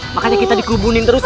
makanya kita dikubunin terus